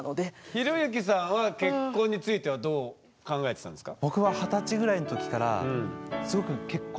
寛之さんは結婚についてはどう考えてたんですか？